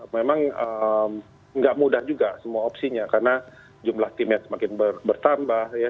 memang tidak mudah juga semua opsinya karena jumlah timnya semakin bertambah ya